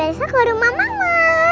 hore besok ke rumah mama